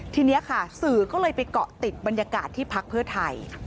ทีนี้ค่ะสื่อก็เลยไปเกาะติดบรรยากาศที่พักเพื่อไทย